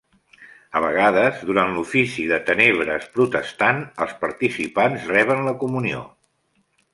A vegades, durant l'Ofici de Tenebres Protestant, els participants reben la Comunió.